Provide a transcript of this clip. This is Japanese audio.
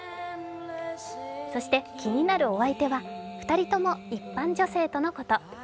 そして、気になるお相手は２人とも一般女性とのこと。